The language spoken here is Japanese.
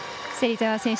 芹澤選手